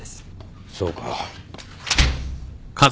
そうか。